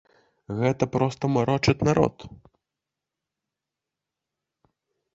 Гэта проста марочаць народ.